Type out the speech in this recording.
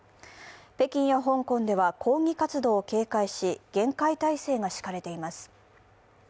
北京や香港では、抗議活動を警戒し厳戒態勢が敷かれています。